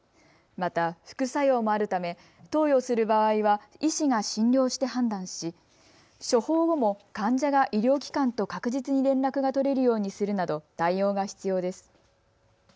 また副作用もあるため投与する場合は医師が診療して判断し処方後も患者が医療機関と確実に連絡が取れるようにするなど対応が必要です。